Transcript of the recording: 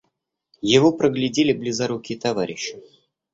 Его проглядели близорукие товарищи.